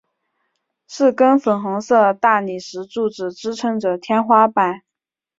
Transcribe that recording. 四根粉红色大理石柱子支持着天花板。